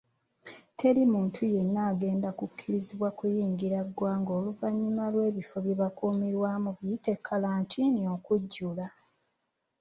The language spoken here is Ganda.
Teri muntu yenna agenda kukkirizibwa kuyingira ggwanga oluvannyuma lw'ebifo gyebakuumibwa biyite kalantiini okujjula.